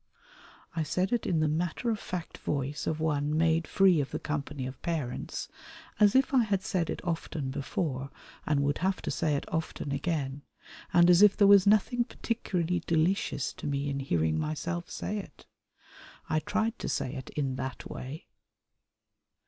I said it in the matter of fact voice of one made free of the company of parents, as if I had said it often before, and would have to say it often again, and as if there was nothing particularly delicious to me in hearing myself say it. I tried to say it in that way.